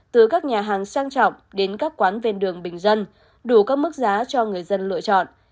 từ các nhà hàng sang trọng đến các quán ven đường bình dân đủ các mức giá cho người dân lựa chọn